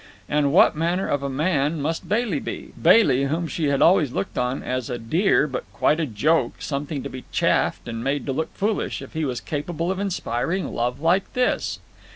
And what manner of a man must Bailey be, Bailey whom she had always looked on as a dear, but as quite a joke, something to be chaffed and made to look foolish, if he was capable of inspiring love like this?